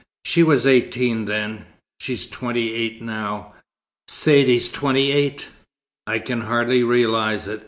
"She was eighteen then. She's twenty eight now. Saidee twenty eight! I can hardly realize it.